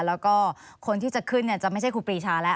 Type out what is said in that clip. แล้วก็คนที่จะขึ้นจะไม่ใช่ครูปรีชาแล้ว